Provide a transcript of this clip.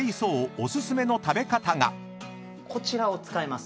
こちらを使います。